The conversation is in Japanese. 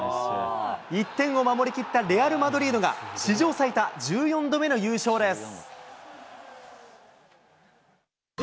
１点を守り切ったレアル・マドリードが、史上最多１４度目の優勝です。